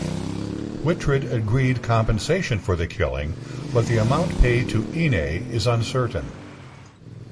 Wihtred agreed compensation for the killing, but the amount paid to Ine is uncertain.